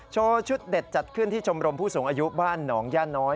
ชุดเด็ดจัดขึ้นที่ชมรมผู้สูงอายุบ้านหนองย่าน้อย